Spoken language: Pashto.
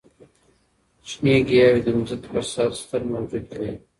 شنې ګیاوې د ځمکې پر سر ستر موجود دي.